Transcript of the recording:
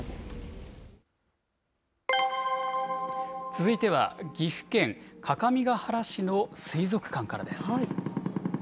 続いては岐阜県各務原市の水族館からです。